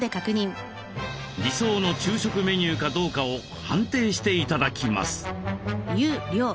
理想の昼食メニューかどうかを判定して頂きます。